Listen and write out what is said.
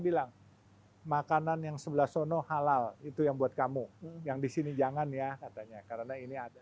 bilang makanan yang sebelah sono halal itu yang buat kamu yang disini jangan ya katanya karena ini ada